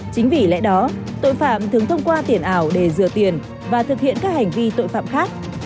chính vì lẽ đó tội phạm thường thông qua tiền ảo để rửa tiền và thực hiện các hành vi tội phạm khác